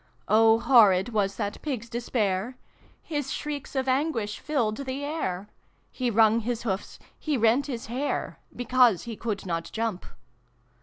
Oh, horrid was that Pig's despair ! His shrieks of anguish filled the air. He wrung his hoofs, he rent his hair, Because he could not jump.